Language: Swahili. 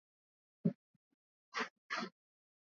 Kuhamahama kwa mifugo husababisha ugonjwa wa homa ya mapafu